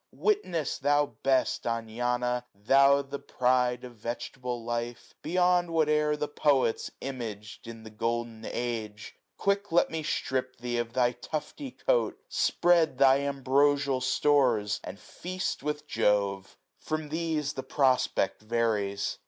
Witness, thou best Anana ! thou the pride 685 Of vegetable life, beyond whatever The poets imag'd in the golden age : Quick let me strip thee of thy tufty coat. Spread thy ambrosial stores, and feast with Jove ! From these the prospect varies.